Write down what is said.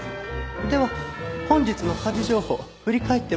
では本日の家事情報振り返って参りましょう。